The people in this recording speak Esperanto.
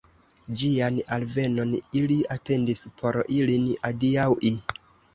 Ĝian alvenon ili atendis, por ilin adiaŭi.